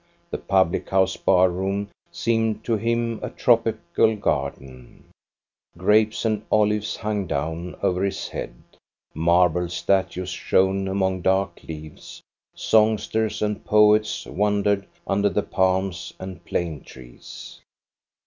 The public house bar room seemed to him a tropical garden: grapes and olives hung down over his head, marble statues 4 INTRODUCTION shone among dark leaves, songsters and poets wan dered under the palms and plane trees.